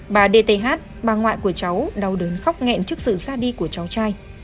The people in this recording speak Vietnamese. bà d t h bà ngoại của cháu đau đớn khóc nghẹn trước sự xa đi của cháu trai